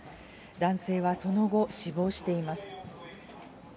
男性はその後、死亡しています。